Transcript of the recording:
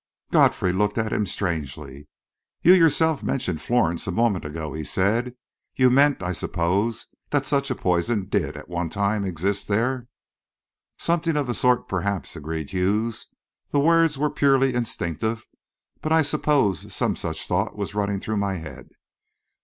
Godfrey looked at him strangely. "You yourself mentioned Florence a moment ago," he said. "You meant, I suppose, that such a poison did, at one time, exist there?" "Something of the sort, perhaps," agreed Hughes. "The words were purely instinctive, but I suppose some such thought was running through my head."